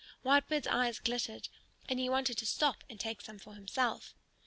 Whitebird's eyes glittered and he wanted to stop and take some for himself.